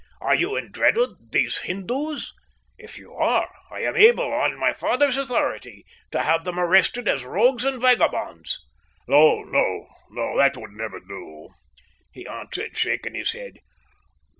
Are you in dread of these Hindoos? If you are, I am able, on my father's authority, to have them arrested as rogues and vagabonds." "No, no, that would never do," he answered, shaking his head.